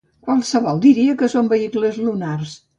Qualsevol diria que són vehicles lunars.